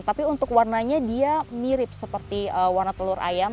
tapi untuk warnanya dia mirip seperti warna telur ayam